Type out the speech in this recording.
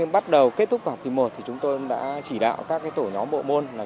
bắt đầu kết thúc học kỳ một chúng tôi đã chỉ đạo các tổ nhóm bộ môn